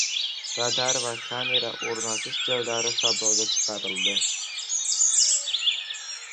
Radar va kamera o‘rnatish joylari savdoga chiqarildi